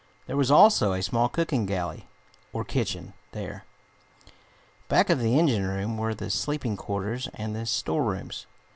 There was also a small cooking galley, or kitchen, there. Back of the engine room were the sleeping quarters and the storerooms.